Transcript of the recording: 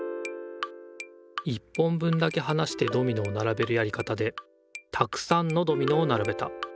１本分だけはなしてドミノをならべるやり方でたくさんのドミノをならべた。